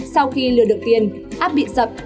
sau khi lừa được tiền app bị sập